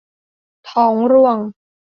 ท้องร่วง